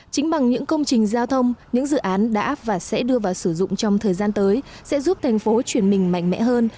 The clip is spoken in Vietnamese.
chính bằng những công trình giao thông những dự án đã và sẽ đưa vào sử dụng trong thời gian tới sẽ giúp thành phố chuyển mình mạnh mẽ hơn